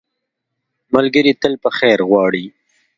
ملګری تل په خیر غواړي